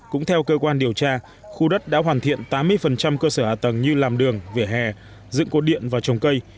cũng theo cơ quan điều tra khu đất đã hoàn thiện tám mươi cơ sở hạ tầng như làm đường vỉa hè dựng cốt điện và trồng cây